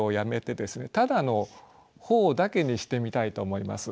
ただの「頬」だけにしてみたいと思います。